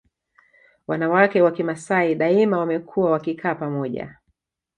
Wanawake wa Kimasai daima wamekuwa wakikaa pamoja